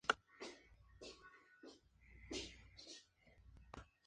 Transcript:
Ha sido portavoz titular de la Junta de Portavoces del Congreso de los Diputados.